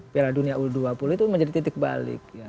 piala dunia u dua puluh itu menjadi titik balik